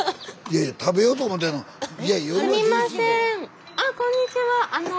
いや食べようと思ってんの？